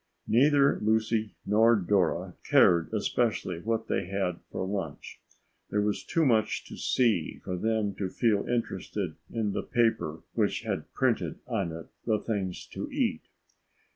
Neither Lucy nor Dora cared especially what they had for lunch. There was too much to see for them to feel interested in the paper which had printed on it the things to eat.